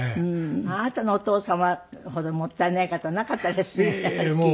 あなたのお父様ほどもったいない方なかったですねはっきり言って。